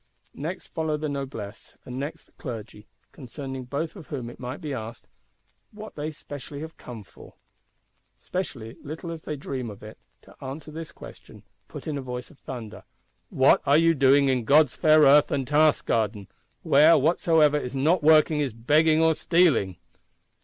Next follow the Noblesse, and next the Clergy; concerning both of whom it might be asked, What they specially have come for? Specially, little as they dream of it, to answer this question, put in a voice of thunder: What are you doing in God's fair Earth and Task garden; where whosoever is not working is begging or stealing?